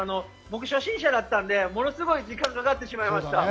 僕、初心者だったので物すごい時間がかかってしまいました。